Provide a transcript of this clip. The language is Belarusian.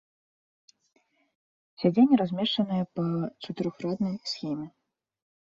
Сядзенні размешчаныя па чатырохраднай схеме.